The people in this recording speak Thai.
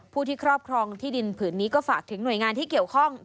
ผู้ที่ครอบครองที่ดินผืนนี้ก็ฝากถึงหน่วยงานที่เกี่ยวข้อง